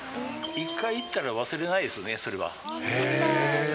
一回行ったら忘れないですね、それは。